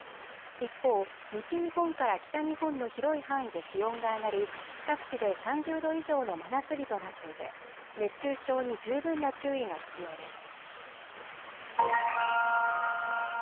一方、西日本から北日本の広い範囲で気温が上がり各地で３０度以上の真夏日となっていて熱中症に十分な注意が必要です。